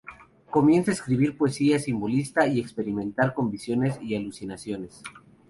Comienza a escribir poesía simbolista y a experimentar con visiones y alucinaciones.